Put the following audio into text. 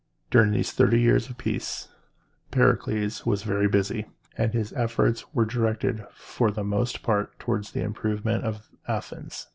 During these thirty years of peace, Pericles was very busy, and his efforts were directed for the most part toward the improvement of Athens.